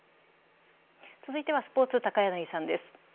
続いてはスポーツ、高柳さんです。